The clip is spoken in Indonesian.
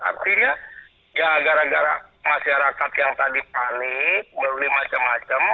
artinya ya gara gara masyarakat yang tadi panik beli macam macam